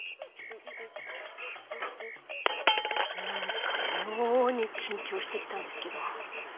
何か妙に緊張して来たんですけど